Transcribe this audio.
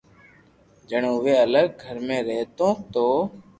جڻي اووي الگ گھر ۾ رھتو تو